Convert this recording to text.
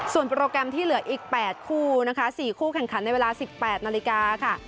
ส่วนโปรแกรมที่เหลืออีก๘คู่นะคะ๔คู่แข่งขันในเวลา๑๘นาฬิกาค่ะ